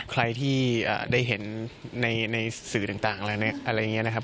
ใครที่ได้เห็นในสื่อต่างอะไรอย่างนี้นะครับ